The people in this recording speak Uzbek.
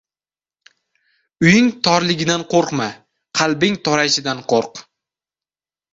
• Uying torligidan qo‘rqma, qalbing torayishidan qo‘rq.